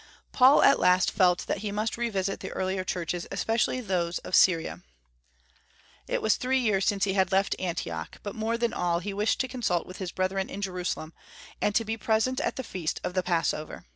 Paul at last felt that he must revisit the earlier churches, especially those of Syria. It was three years since he had left Antioch. But more than all, he wished to consult with his brethren in Jerusalem, and to be present at the feast of the Passover.